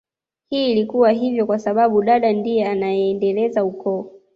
Hii ilikuwa hivyo kwa sababu dada ndiye anayeendeleza ukoo